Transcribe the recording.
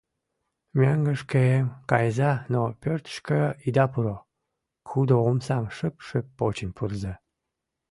— Мӧҥгышкем кайыза, но пӧртышкӧ ида пуро, кудо омсам шып-шып почын пурыза.